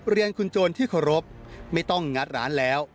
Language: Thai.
เรียนคุณโจรที่เคารพไม่ต้องงัดร้านแล้ว